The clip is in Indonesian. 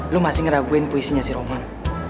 lo masih ngeraguin poesinya si roman